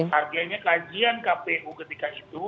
harganya kajian kpu ketika itu